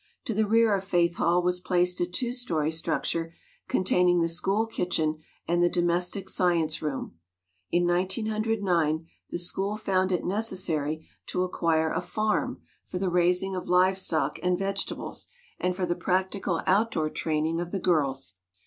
To the rear of Faith Hall was placed a two story structure containing the school kitchen and the domestic science room. In 1909 the school found it necessary to acquire a farm 76 WOMEN OF ACHIEVEMENT for the raising of live stock and vegetables and for the practical outdoor training of the girls.